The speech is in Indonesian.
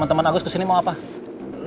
dalam dunia ayam tri listing samats